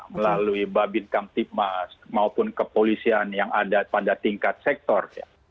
melalui babin kamtipmas maupun kepolisian yang ada pada tingkat sektor